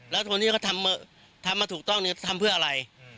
และคนที่ทำมาถูกต้องทำเพื่ออะไร